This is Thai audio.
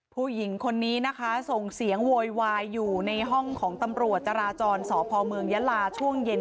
ผู้หญิงคนนี้นะคะส่งเสียงโวยวายอยู่ในห้องของตำรวจจราจรสพเมืองยะลาช่วงเย็น